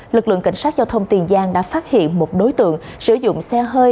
lực lượng cảnh sát giao thông tiền giang đã phát hiện một đối tượng sử dụng xe hơi